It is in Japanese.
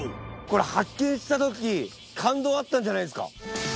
これ発見したとき感動あったんじゃないですか！？